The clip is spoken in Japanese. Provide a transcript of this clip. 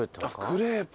クレープ？